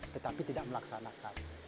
tetapi tidak melaksanakan